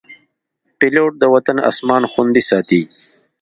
پیلوټ د وطن اسمان خوندي ساتي.